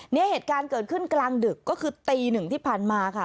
เหตุการณ์เกิดขึ้นกลางดึกก็คือตีหนึ่งที่ผ่านมาค่ะ